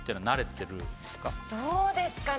どうですかね。